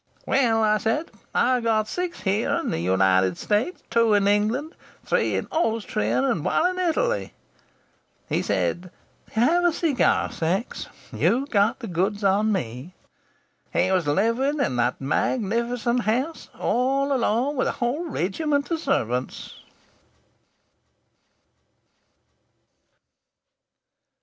'Well,' I says, 'I've got six here in the United States, two in England, three in Austria, and one in Italy.' He said, 'Have a cigar, Sachs; you've got the goods on me!' He was living in that magnificent house all alone, with a whole regiment of servants!"